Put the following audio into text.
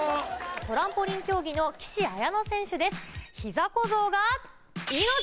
トランポリン競技の岸彩乃選手です。